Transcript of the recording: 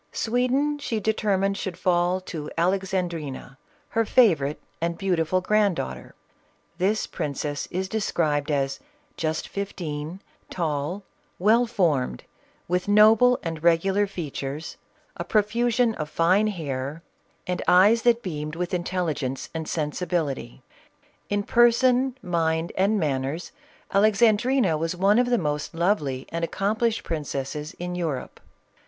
Sweden she determined should fall to Alexandrina, her favorite, and beautiful grand daughter. This princess is described as "just fifteen, tall, well formed, with noble and regu lar features, a profusion of fine hair, and eyes that CATHERINE OF RUSSIA. 437 beamed with intelligence and sensibility. In person, mind, and manners, Alexandrina was one of the most lovely and accomplished princesses in Europe."